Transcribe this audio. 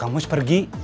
kamu harus pergi